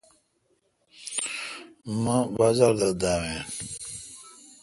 مہ بازار دا داوین۔